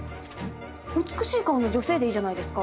「美しい顔の女性」でいいじゃないですか。